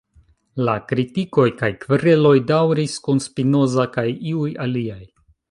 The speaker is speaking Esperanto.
La kritikoj, kaj kvereloj, daŭris kun Spinoza kaj iuj aliaj.